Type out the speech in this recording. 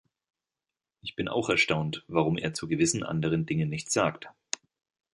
Ich bin auch erstaunt, warum er zu gewissen anderen Dingen nichts sagt.